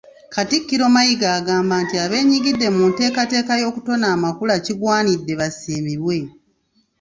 Katikkiro Mayiga agamba nti abeenyigidde mu nteekateeka y'okutona amakula kigwanidde basiimibwe.